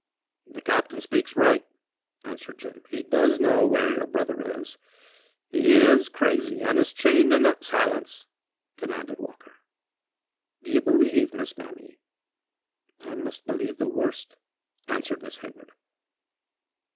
"The captain speaks right," answered Jim. "He does know where your brother is. He is crazy and is chained in the—" "Silence!" commanded Walker. "Do you believe, Miss Mamie?" "I must believe the worst," answered Miss Hayward.